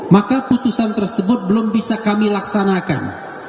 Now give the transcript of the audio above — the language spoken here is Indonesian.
maka putusan tersebut belum bisa kami laksanakan